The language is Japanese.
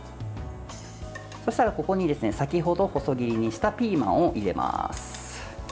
そしたらここに、先程細切りにしたピーマンを入れます。